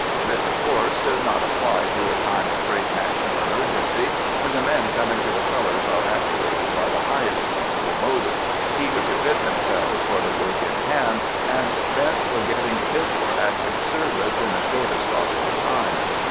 This, of course, does not apply to a time of great national emergency, when the men coming to the colours are actuated by the highest possible motives, eager to fit themselves for the work in hand, and bent on getting fit for active service in the shortest possible time.